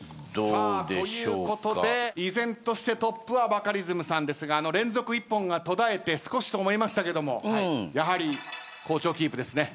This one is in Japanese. ということで依然としてトップはバカリズムさんですが連続一本が途絶えて少しと思いましたけどもやはり好調キープですね。